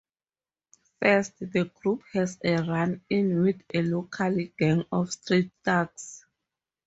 First, the group has a run in with a local gang of street thugs.